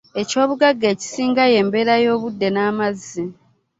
Eky'obugagga ekisinga y'embeera y'obudde n'amazzi